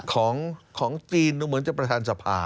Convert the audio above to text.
ของจีนดูเหมือนจะประธานสภา